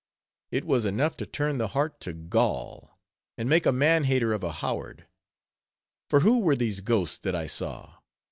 It was enough to turn the heart to gall; and make a man hater of a Howard. For who were these ghosts that I saw?